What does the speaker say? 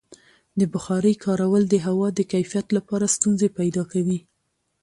د بخارۍ کارول د هوا د کیفیت لپاره ستونزې پیدا کوي.